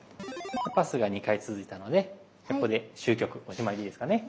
パスが２回続いたのでここで終局おしまいでいいですかね？